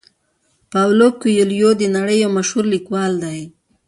پاولو کویلیو د نړۍ یو مشهور لیکوال دی.